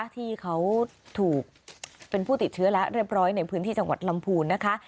ที่เขาถูกเป็นผู้ติดเชื้อแล้วเรียบร้อยในพื้นที่จังหวัดลำพูนนะคะ